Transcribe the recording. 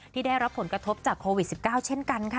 ได้รับผลกระทบจากโควิด๑๙เช่นกันค่ะ